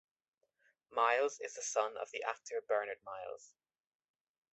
Miles is the son of the actor Bernard Miles.